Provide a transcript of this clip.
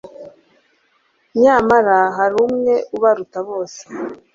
Nyamara hari umwe ubaruta bose.